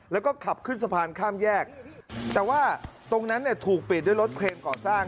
แล้วก็ขับขึ้นสะพานข้ามแยกแต่ว่าตรงนั้นเนี่ยถูกปิดด้วยรถเครนก่อสร้าง